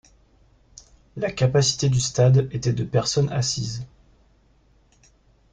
La capacité du stade était de personnes assises.